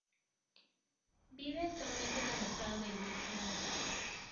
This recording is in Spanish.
Vive actualmente en el estado de Luisiana.